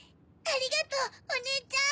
ありがとうおねえちゃん！